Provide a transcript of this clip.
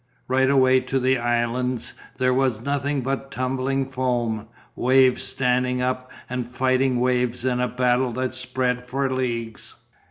Right away to the islands there was nothing but tumbling foam, waves standing up and fighting waves in a battle that spread for leagues.